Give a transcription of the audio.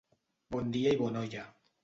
Bon dia i bona olla.